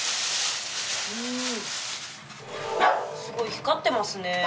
すごい光ってますね。